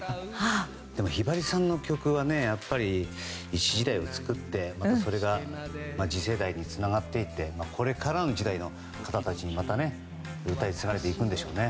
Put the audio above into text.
でもひばりさんの曲は一時代を作ってそれが次世代につながっていてこれからの時代の方たちにまた歌い継がれていくんでしょうね。